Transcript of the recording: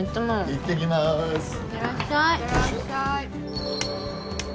いってらっしゃい。